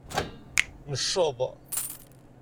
Necceḍ.